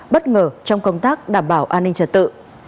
bất ngờ trong công tác đảm bảo an ninh trật tự